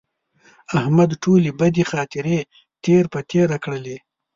احمد ټولې بدې خاطرې تېر په تېره کړلې.